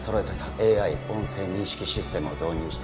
ＡＩ 音声認識システムを導入して